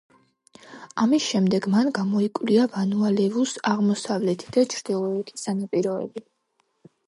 ამის შემდეგ მან გამოიკვლია ვანუა-ლევუს აღმოსავლეთი და ჩრდილოეთი სანაპიროები.